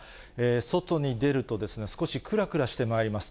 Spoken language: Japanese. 外に出ると、少しくらくらしてまいります。